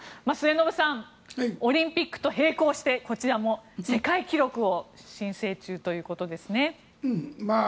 末延さんオリンピックと並行してこちらも世界記録を申請中ということですね。